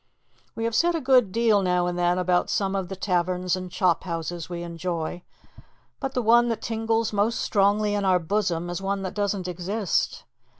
We have said a good deal, now and then, about some of the taverns and chophouses we enjoy; but the one that tingles most strongly in our bosom is one that doesn't exist.